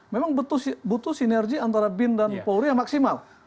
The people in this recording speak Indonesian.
memang butuh sinergi antara bin dan polri yang maksimal